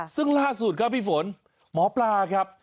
ซึ่งล่าสุดครับพี่ฝนหมอปลาครับ